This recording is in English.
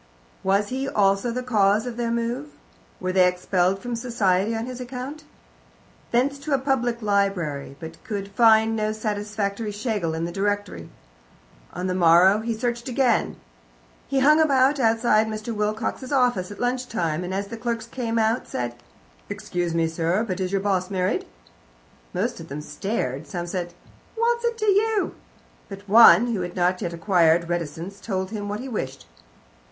Was he also the cause of their move? Were they expelled from society on his account? Thence to a public library, but could find no satisfactory Schlegel in the directory. On the morrow he searched again. He hung about outside Mr. Wilcox's office at lunch time, and, as the clerks came out said: "Excuse me, sir, but is your boss married?" Most of them stared, some said, "What's that to you?" but one, who had not yet acquired reticence, told him what he wished.